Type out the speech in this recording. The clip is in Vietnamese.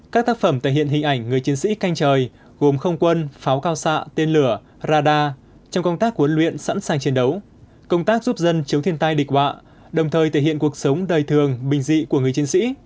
các tác phẩm thể hiện hình ảnh người chiến sĩ canh trời gồm không quân pháo cao xạ tên lửa haradar trong công tác huấn luyện sẵn sàng chiến đấu công tác giúp dân chống thiên tai địch họa đồng thời thể hiện cuộc sống đời thường bình dị của người chiến sĩ